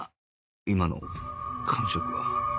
今の感触は